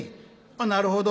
「あっなるほど」。